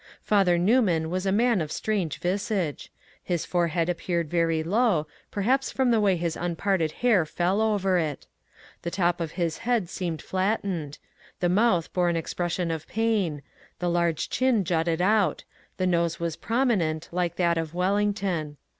Father Newman was a man of strange visage. His forehead appeared very low, perhaps from the way his unparted hair fell over it ; the top of his head seemed flattened ; the mouth bore an expression of pain ; the large chin jutted out ; the nose was prominent, like that of Wellington.